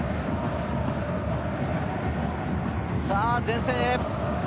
前線へ。